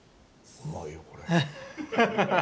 うまいよこれ。